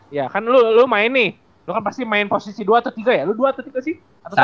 ya kan lo lo main nih lo kan pasti main posisi dua atau tiga ya lu dua atau tiga sih